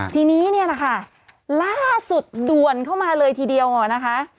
ทีนี้ล่าสุดด่วนเข้ามาเลยทีเดียวนะคะ